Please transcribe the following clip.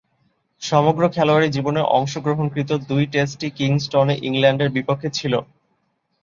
সমগ্র খেলোয়াড়ী জীবনে অংশগ্রহণকৃত দুই টেস্টই কিংস্টনে ইংল্যান্ডের বিপক্ষে ছিল।